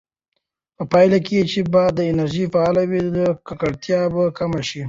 په پایله کې چې باد انرژي فعاله وي، ککړتیا به کمه شي.